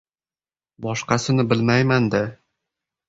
— Boshqasini bilmayman-da...